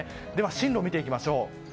進路を見ていきましょう。